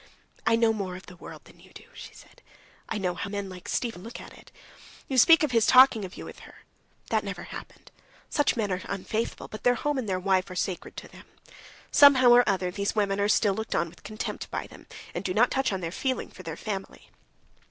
"I know more of the world than you do," she said. "I know how men like Stiva look at it. You speak of his talking of you with her. That never happened. Such men are unfaithful, but their home and wife are sacred to them. Somehow or other these women are still looked on with contempt by them, and do not touch on their feeling for their family.